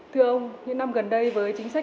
thưa ông những năm gần đây với chính sách hành chính